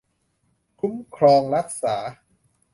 คุ้มครองรักษา